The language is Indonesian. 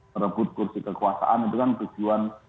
merebut kursi kekuasaan itu kan tujuan